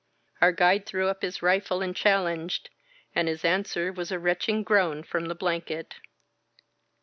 Our guide threw up his rifle and challenged, and his answer was a retching groan from the blanket.